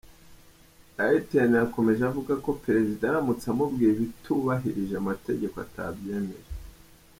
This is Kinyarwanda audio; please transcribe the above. Hyten yakomeje avuga ko Perezida aramutse amubwiye ibitubahirije amategeko atabyemera.